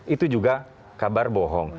itu juga kabar bohong